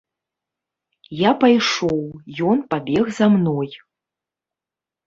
Я пайшоў, ён пабег за мной.